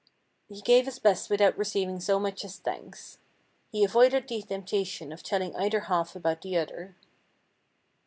He gave his best without receiving so much as thanks. He avoided the temptation of telling either half about the other.